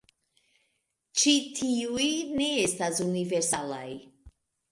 Ĉi tiuj ne estas universalaj.